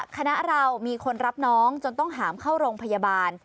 คณะเรามีคนรับน้องจนต้องหามเข้าโรงพยาบาล